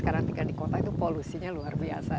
sekarang tinggal di kota itu polusinya luar biasa